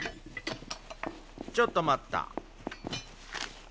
ちょっと待った。